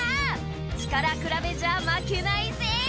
「力比べじゃ負けないぜ！」